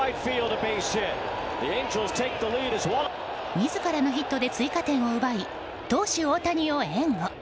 自らのヒットで追加点を奪い投手・大谷を援護。